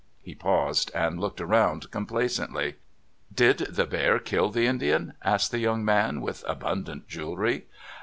He paused, and looked around complacently. "Did the bear kill the Indian?" asked the young man with abundant jewelry.